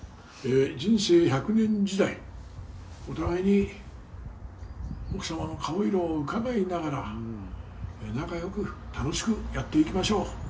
「人生１００年時代お互いに奥様の顔色をうかがいながら仲良く楽しくやっていきましょう」